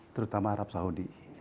terutama arab saudara